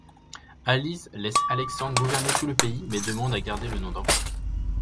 Alis laisse Alexandre gouverner tout le pays mais demande à garder le nom d'empereur.